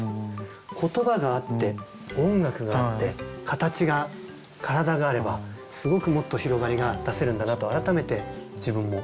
言葉があって音楽があって形が身体があればすごくもっと広がりが出せるんだなと改めて自分も。